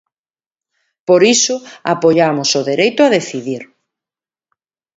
Por iso apoiamos o dereito a decidir.